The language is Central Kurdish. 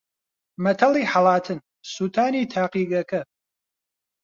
مەتەڵی ھەڵاتن: سووتانی تاقیگەکە